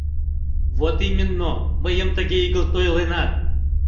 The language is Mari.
— Вот именно мыйым тыге игылт ойленат.